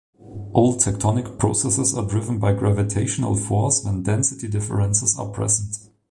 All tectonic processes are driven by gravitational force when density differences are present.